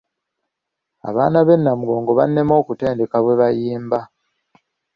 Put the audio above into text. Abaana b'e Namugongo bannema okutendeka bwe bayimba.